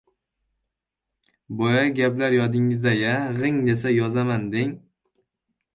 Boyagi gaplar yodingizda-ya? G‘ing desang... yozaman deng!..